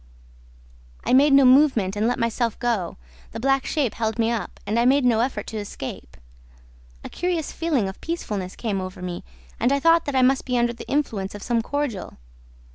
"I made no movement and let myself go. The black shape held me up, and I made no effort to escape. A curious feeling of peacefulness came over me and I thought that I must be under the influence of some cordial.